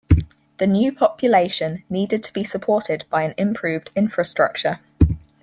The new population needed to be supported by an improved infrastructure.